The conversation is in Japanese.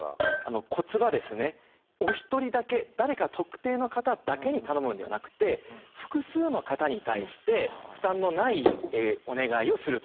コツはお一人だけ誰か特定の方だけに頼むんではなくて複数の方に対して負担のないお願いをするということ。